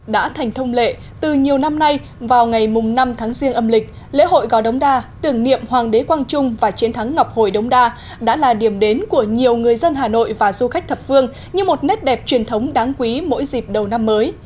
đã thành thông lệ từ nhiều năm nay vào ngày năm tháng riêng âm lịch lễ hội gò đống đa tưởng niệm hoàng đế quang trung và chiến thắng ngọc hồi đống đa đã là điểm đến của nhiều người dân hà nội và du khách thập phương như một nét đẹp truyền thống đáng quý mỗi dịp đầu năm mới